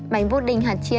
bánh bút đinh hạt chia